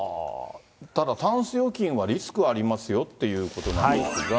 だからタンス預金はリスクありますよということなんですが。